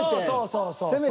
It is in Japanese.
そうそうそう。